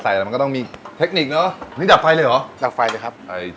อะละตอนนี้เส้นเริ่มสูงแล้วใช่ไหมครับพี่